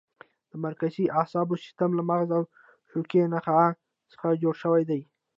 د مرکزي اعصابو سیستم له مغز او شوکي نخاع څخه جوړ شوی دی.